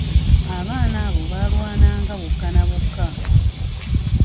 Abaana abo baalwanagana bokka na bokka.